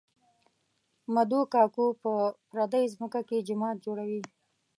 مدو کاکو په پردۍ ځمکه کې جومات جوړوي